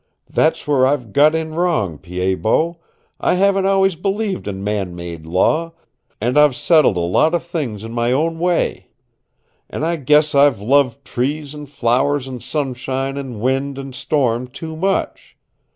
That's where I've got in wrong, Pied Bot, I haven't always believed in man made law, and I've settled a lot of things in my own way. And I guess I've loved trees and flowers and sunshine and wind and storm too much.